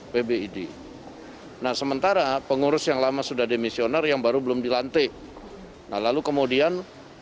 pbid nah sementara pengurus yang lama sudah demisioner yang baru belum dilantik nah lalu kemudian